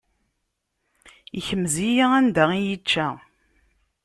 Ikmez-iyi anda i yi-ičča.